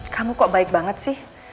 kamu kok baik banget sih